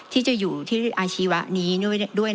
ที่จะอยู่ที่อาชีวะนี้ด้วย